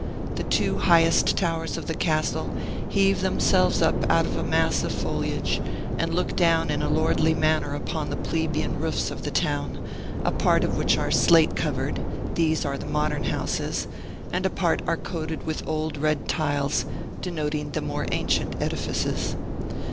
The two highest towers of the castle heave themselves up out of a mass of foliage, and look down in a lordly manner upon the plebeian roofs of the town, a part of which are slate covered (these are the modern houses), and a part are coated with old red tiles, denoting the more ancient edifices.